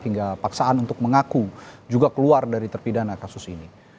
hingga paksaan untuk mengaku juga keluar dari terpidana kasus ini